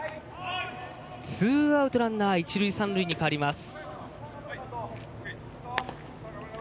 ツーアウトランナーは一塁三塁と変わります。